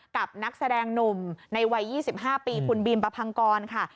กับนักแสดงหนุ่มในวัย๒๕ปีคุณบีมประพังกรค่ะ